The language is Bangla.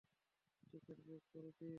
টিকেট বুক করেছিস?